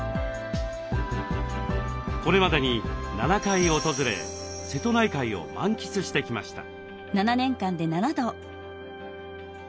これまでに７回訪れ瀬戸内海を満喫してきました。